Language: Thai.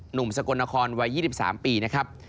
หนุ่มสกลนครวัย๒๓ปีนะครับ